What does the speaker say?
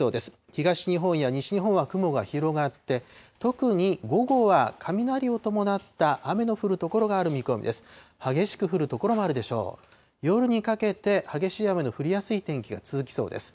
東日本や西日本は雲が広がって、特に午後は雷を伴った雨の降る所がある見込みです。